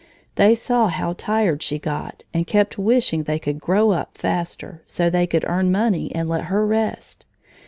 They saw how tired she got and kept wishing they could grow up faster, so they could earn money and let her rest.